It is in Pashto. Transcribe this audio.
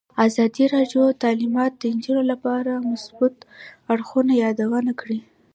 ازادي راډیو د تعلیمات د نجونو لپاره د مثبتو اړخونو یادونه کړې.